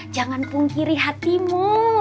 jangan pungkiri hatimu